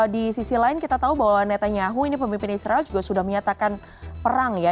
di sisi lain kita tahu bahwa netanyahu ini pemimpin israel juga sudah menyatakan perang ya